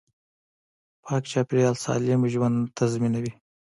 پاک چاپیریال سالم ژوند تضمینوي